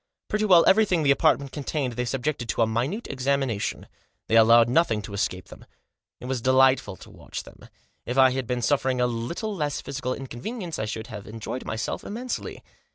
Pretty well everything the apartment contained they subjected to a minute examination. They allowed nothing to escape them. It was delightful to watch them. If I had been suffering a little less physical inconvenience I should have enjoyed myself immensely.